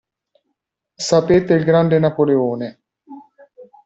Sapete il grande Napoleone.